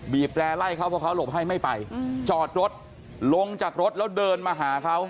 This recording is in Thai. แร่ไล่เขาเพราะเขาหลบให้ไม่ไปจอดรถลงจากรถแล้วเดินมาหาเขา